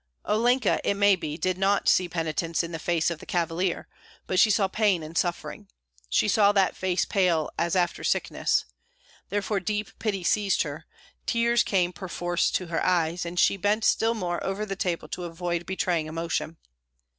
Olenka, it may be, did not see penitence in the face of the cavalier, but she saw pain and suffering; she saw that face pale as after sickness; therefore deep pity seized her, tears came perforce to her eyes, and she bent still more over the table to avoid betraying emotion.